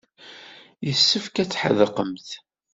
Yessefk ad tḥedqemt.